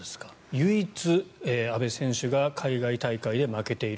唯一、阿部選手が海外大会で負けている。